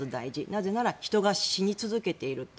なぜなら人が死に続けている。